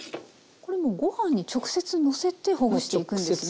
これもうご飯に直接のせてほぐしていくんですね。